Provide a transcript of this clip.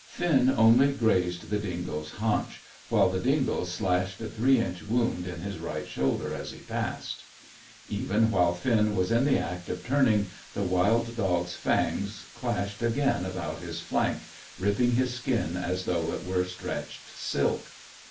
Finn only grazed the dingo's haunch, while the dingo slashed a three inch wound in his right shoulder as he passed. Even while Finn was in the act of turning, the wild dog's fangs clashed again about his flank, ripping his skin as though it were stretched silk.